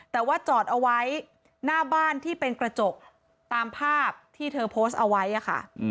แต่ว่าจอดเอาไว้หน้าบ้านที่เป็นกระจกตามภาพที่เธอโพสต์เอาไว้ค่ะ